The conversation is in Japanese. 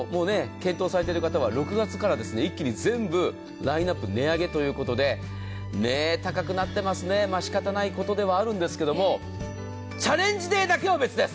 検討されている方は６月から一気に全部ラインナップ値上げということで高くなってますね、しかたないことではあるんですけれども、チャレンジデーだけは別です。